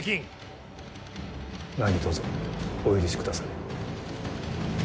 何とぞお許しくだされ。